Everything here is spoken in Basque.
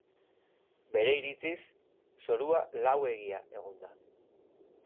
Bere iritziz, zorua lauegia egon da.